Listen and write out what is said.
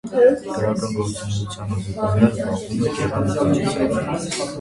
Գրական գործունեությանը զուգահեռ զբաղվում է գեղանկարչությամբ։